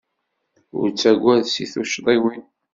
Ur ttagad seg tuccḍiwin.